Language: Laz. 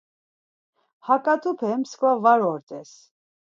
Ha ǩat̆upe mskva var ort̆es.